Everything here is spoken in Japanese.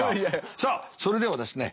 さあそれではですね